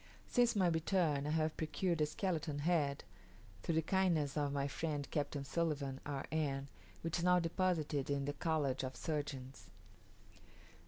Since my return, I have procured a skeleton head, through the kindness of my friend Captain Sulivan, R. N., which is now deposited in the College of Surgeons.